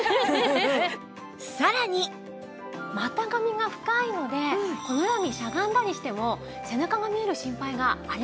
股上が深いのでこのようにしゃがんだりしても背中が見える心配がありません。